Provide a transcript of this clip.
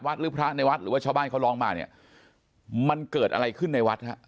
หรือพระในวัดหรือว่าชาวบ้านเขาร้องมาเนี่ยมันเกิดอะไรขึ้นในวัดฮะ